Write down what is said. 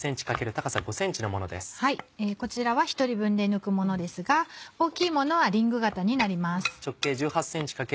こちらは１人分で抜くものですが大きいものはリング型になります。